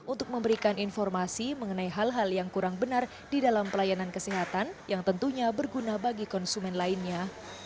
untuk memberikan informasi mengenai hal hal yang kurang benar di dalam pelayanan kesehatan yang tentunya berguna bagi konsumen lainnya